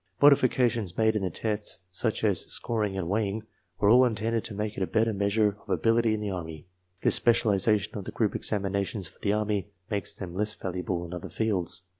Modifications made in the tests, such as scor ing and weighting, were all intended to make it a better measure / of ability in the Army. This specialization of the group exam inations for the Army makes them less valuable in other fields.